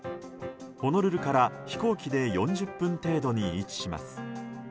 ホノルルから飛行機で４０分程度に位置します。